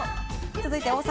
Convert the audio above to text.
続いて、大阪。